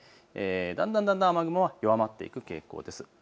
だんだん雨雲は弱まっていく傾向です。